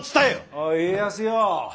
おい家康よ。